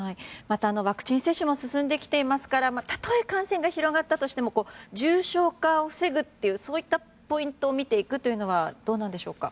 ワクチン接種も進んできていますからたとえ感染が広がったとしても重症化を防ぐというポイントを見ていくというのはどうなんでしょうか。